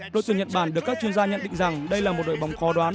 đội tuyển nhật bản được các chuyên gia nhận định rằng đây là một đội bóng khó đoán